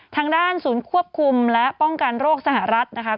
ทางด้านศูนย์ควบคุมและป้องกันโรคสหรัฐนะคะ